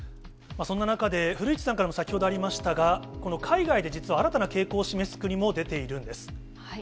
そんな中で、古市さんからも先ほどありましたが、この海外で実は、新たな傾向を示す国も出ているんです。